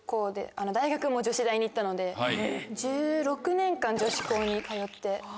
大学も女子大に行ったので１６年間女子校に通って。